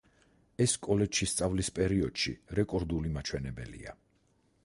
ეს კოლეჯში სწავლის პერიოდში რეკორდული მაჩვენებელია.